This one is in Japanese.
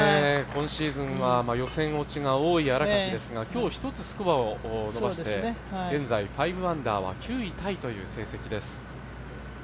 今シーズンは予選落ちが多い新垣ですが今日１つスコアを伸ばして、現在５アンダーは９位タイという成績です。